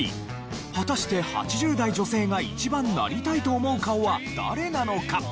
果たして８０代女性が一番なりたいと思う顔は誰なのか？